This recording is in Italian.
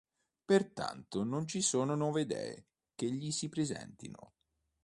Pertanto non ci sono nuove idee che Gli si presentino.